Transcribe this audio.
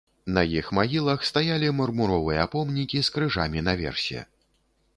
На іх магілах стаялі мармуровыя помнікі з крыжамі наверсе.